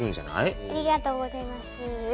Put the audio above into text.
ありがとうございます。